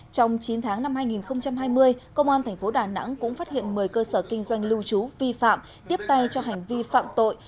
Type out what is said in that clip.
trong chín tháng năm hai nghìn hai mươi công an tp đà nẵng cũng phát hiện một mươi cơ sở kinh doanh lưu trú vi phạm tiếp tay cho hành vi phạm tội